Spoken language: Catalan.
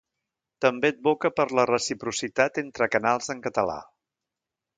També advoca per la reciprocitat entre canals en català.